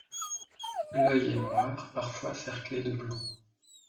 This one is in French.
L’œil est noir, parfois cerclé de blanc.